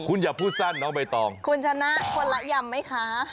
คุณอย่าพูดสั้นน้องใบตองคุณชนะคนละยำไหมคะ